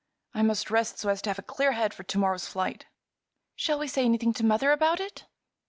I must rest, so as to have a clear head for to morrow's flight." "Shall we say anything to mother about it?"